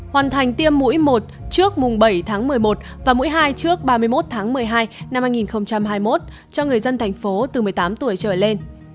hoàn thành tiêm mũi một trước mùng bảy tháng một mươi một và mũi hai trước ba mươi một tháng một mươi hai năm hai nghìn hai mươi một cho người dân thành phố từ một mươi tám tuổi trở lên